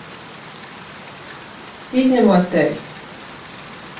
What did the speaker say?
Izņemot tevi!